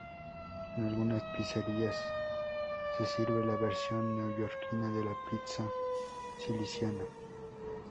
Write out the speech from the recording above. En algunas pizzerías se sirve la versión neoyorquina de la pizza siciliana.